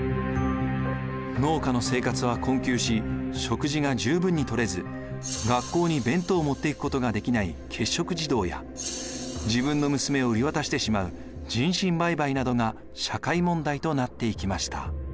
農家の生活は困窮し食事が十分にとれず学校に弁当を持っていくことができない欠食児童や自分の娘を売り渡してしまう人身売買などが社会問題となっていきました。